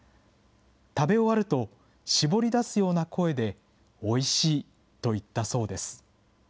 食べ終わると、絞り出すような声で、おいしいと言ったそうです。